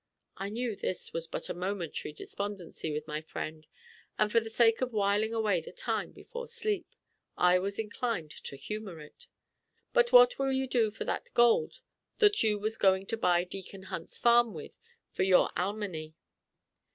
I knew this was but a momentary despondency with my friend, and for the sake of whiling away the time before sleep, I was inclined to humor it. "But what will you do for that gold that you was going to buy Deacon Hunt's farm with for your Alminy?"